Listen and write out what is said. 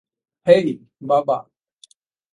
হেই, বাবা।